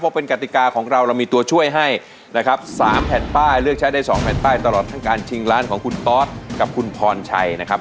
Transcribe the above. เพราะเป็นกติกาของเราเรามีตัวช่วยให้นะครับ๓แผ่นป้ายเลือกใช้ได้๒แผ่นป้ายตลอดทั้งการชิงล้านของคุณตอสกับคุณพรชัยนะครับ